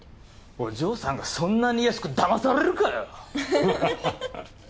お嬢さんがそんなに安くだまされるかよ！